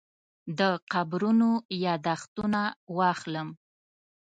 د قبرونو یاداښتونه واخلم.